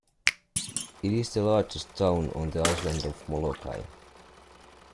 It is the largest town on the island of Molokai.